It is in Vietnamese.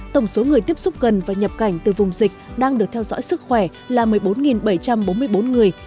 tổng số người tiếp xúc gần và nhập cảnh từ vùng dịch đang được theo dõi sức khỏe là một mươi bốn bảy trăm bốn mươi bốn người